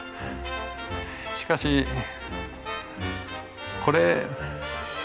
しかしこれ。